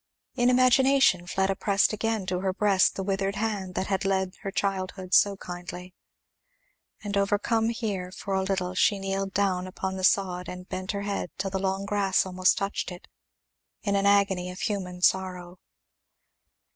In imagination Fleda pressed again to her breast the withered hand that had led her childhood so kindly; and overcome here for a little she kneeled down upon the sod and bent her head till the long grass almost touched it, in an agony of human sorrow.